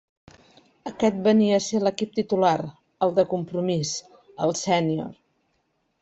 Aquest venia a ser l'equip titular, el de compromís, el sènior.